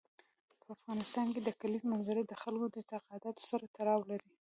په افغانستان کې د کلیزو منظره د خلکو د اعتقاداتو سره تړاو لري.